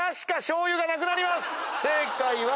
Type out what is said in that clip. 正解は。